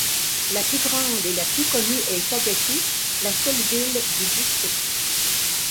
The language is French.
La plus grande et la plus connue est Agassiz, la seule ville du district.